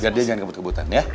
biar dia jangan ngebut ngebutan ya